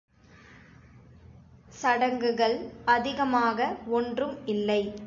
சடங்குகள் அதிகமாக ஒன்றும் இல்லை.